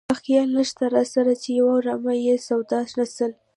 دا خیال نشته راسره چې یوه رمه بې سواده نسل.